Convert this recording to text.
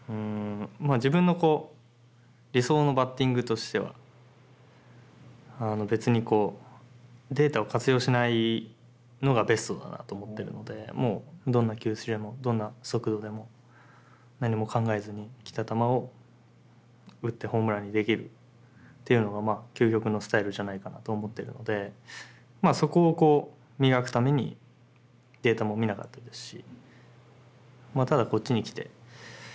自分の理想のバッティングとしては別にデータを活用しないのがベストだなと思ってるのでもうどんな球種でもどんな速度でも何も考えずに来た球を打ってホームランにできるというのが究極のスタイルじゃないかなと思ってるのでそこを磨くためにデータも見なかったですし。